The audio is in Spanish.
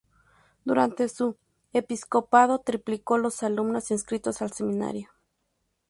Durante su episcopado triplicó los alumnos inscritos al seminario.